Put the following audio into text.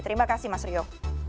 terima kasih mas rio